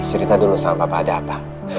cerita dulu sama bapak ada apa